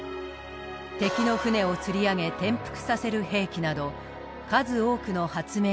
敵の船を釣り上げ転覆させる兵器など数多くの発明品を残した。